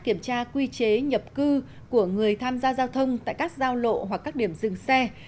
kiểm tra quy chế nhập cư của người tham gia giao thông tại các giao lộ hoặc các điểm dừng xe